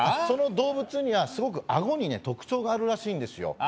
その動物にはすごく顎にね特徴があるらしいんですよ。